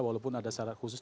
walaupun ada syarat khusus